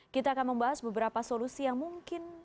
kita akan membahas beberapa solusi yang mungkin